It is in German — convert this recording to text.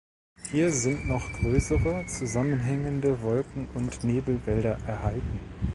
Hier sind noch größere zusammenhängende Wolken- und Nebelwälder erhalten.